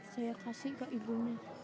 saya kasih ke ibunya